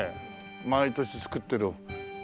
毎年造ってる。